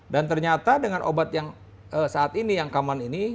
dan ternyata dengan obat yang saat ini yang common ini